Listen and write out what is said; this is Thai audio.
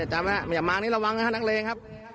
จำไว้นะครับอย่ามาร้านนี้ระวังนะครับนักเลงครับ